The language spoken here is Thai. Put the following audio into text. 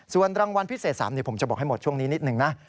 ส่วนรางวัลพิเศษ๓ผมจะบอกให้หมดช่วงนี้นิดนึงนะ